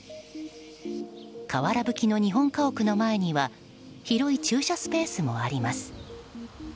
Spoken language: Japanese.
瓦葺きの日本家屋の前には広い駐車スペースもあります。